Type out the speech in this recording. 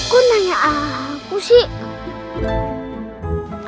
kok nanya aku sih